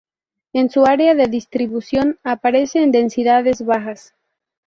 En su área de distribución aparece en densidades bajas.